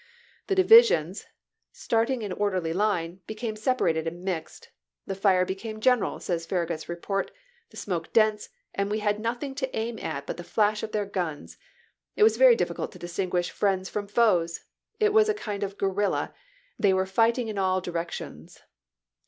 The divisions, starting in orderly line, became separated and mixed. " The fire became general," says Far ragut's report, " the smoke dense, and we had nothing to aim at but the flash of their guns ; it was very difficult to distinguish friends from foes. Farra^ut. ... It was a kind of guerrilla ; they were fighting m5^6!"i862. in all directions."